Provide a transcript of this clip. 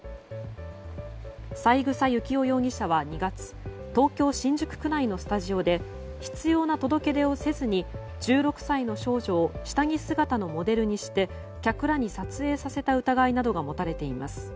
三枝幸男容疑者は２月東京・新宿区内のスタジオで必要な届け出をせずに１６歳の少女を下着姿のモデルにして客らに撮影させた疑いが持たれています。